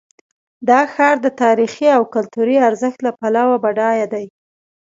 دا ښار د تاریخي او کلتوري ارزښت له پلوه بډایه دی.